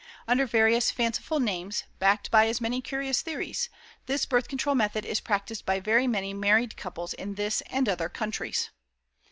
Under various fanciful names, backed by as many curious theories, this birth control method is practiced by very many married couples in this and other countries.